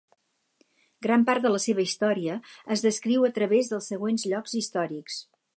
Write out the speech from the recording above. Gran part de la seva història es descriu a través dels següents llocs històrics.